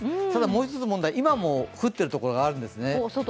もう一つ問題、今も降っているところがあるんですね。